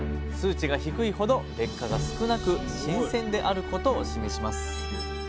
数値が低いほど劣化が少なく新鮮であることを示します。